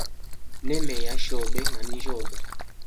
Nemeya shobe na ninjyobe.